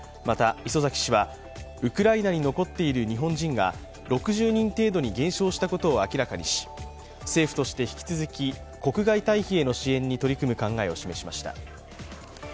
また、磯崎氏はウクライナに残っている日本人が６０人程度に減少したことを明らかにし政府として引き続き国外退避への支援に取り組む考えを示しました。